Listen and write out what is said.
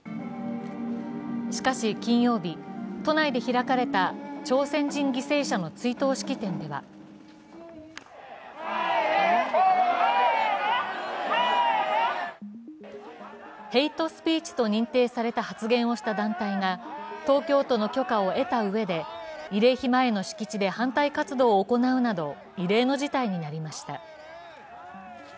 しかし金曜日、都内で開かれた朝鮮人犠牲者の追悼式典ではヘイトスピーチと認定された発言をした団体が東京都の許可を得たうえで慰霊碑前の敷地で反対活動を行うなど異例の事態になりました。